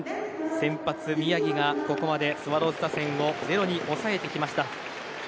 先発、宮城がここまでスワローズ打線をゼロに抑えてきました。